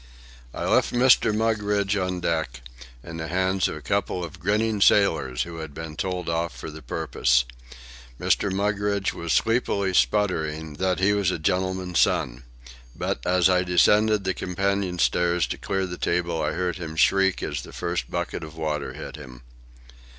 I left Mr. Mugridge on deck, in the hands of a couple of grinning sailors who had been told off for the purpose. Mr. Mugridge was sleepily spluttering that he was a gentleman's son. But as I descended the companion stairs to clear the table I heard him shriek as the first bucket of water struck him.